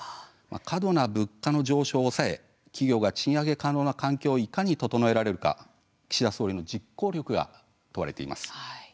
過度な物価の上昇を抑え企業が賃上げ可能な環境をいかに整えられるか岸田総理の実行力が問われています。